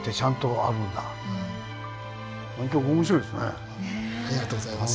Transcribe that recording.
ありがとうございます。